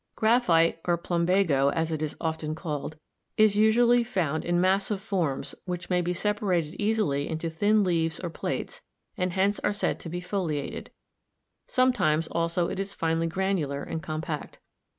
Graphite, or plumbago as it is often called, is usually found in massive forms which may be separated easily into thin leaves or plates and hence are said to be foliated ; sometimes also it is finely granular and compact.